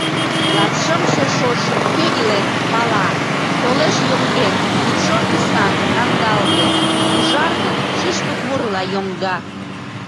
Латшымше шошым — кӧ илен — пала: толеш йоҥген, вӱдшор тӱсан — кандалге, ужаргын — шӱшпык мурыла йоҥга.